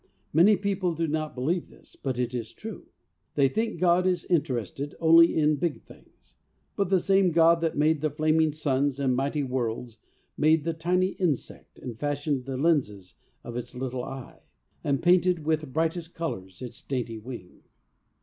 Many people do not believe this, but it is true. They think God is interested only in big things ; but the same God that made the flaming suns and mighty worlds, made the tiny insect, and fashioned the lenses of its little eye, and painted with brightest colours its dainty wing.